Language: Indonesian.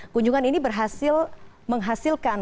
kunjungan ini berhasil menghasilkan